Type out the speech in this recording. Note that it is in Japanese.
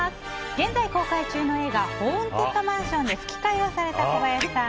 現在、公開中の映画「ホーンテッドマンション」で吹き替えをされた小林さん。